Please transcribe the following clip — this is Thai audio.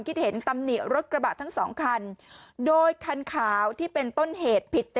คิดเห็นตำหนิรถกระบะทั้งสองคันโดยคันขาวที่เป็นต้นเหตุผิด๗